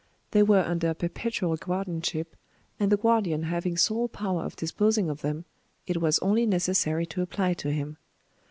They were under perpetual guardianship, and the guardian having sole power of disposing of them, it was only necessary to apply to him.